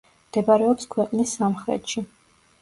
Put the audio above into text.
მდებარეობს ქვეყნის სამხრეთში.